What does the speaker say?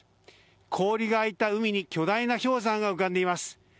氷が開いた海に巨大な氷山が浮かんでいます。